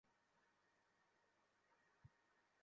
তাই তাঁদের কাছ থেকে আমার শুধু শেখার আছে, শেখানোর কিছু নেই।